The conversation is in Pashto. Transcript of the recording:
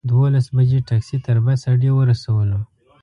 دولس بجې ټکسي تر بس اډې ورسولو.